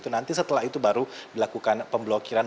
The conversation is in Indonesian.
nanti setelah itu baru dilakukan pemblokiran